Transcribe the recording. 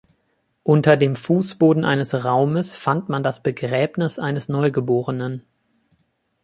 Unter dem Fußboden eines Raumes fand man das Begräbnis eines Neugeborenen.